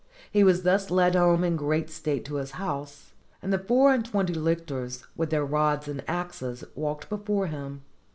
He was thus led home in great state to his house, and the four and twenty lictors, with their rods and axes, walked before him.